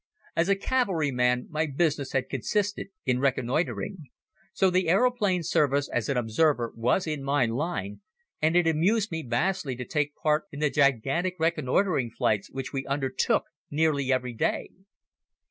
As a cavalryman my business had consisted in reconnoitering. So the Aeroplane Service as an observer was in my line and it amused me vastly to take part in the gigantic reconnoitering flights which we undertook nearly every day.